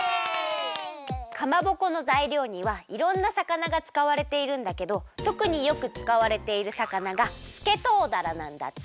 かまぼこのざいりょうにはいろんな魚がつかわれているんだけどとくによくつかわれている魚がすけとうだらなんだって！